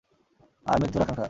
আর মৃত্যুর আকাঙ্ক্ষা।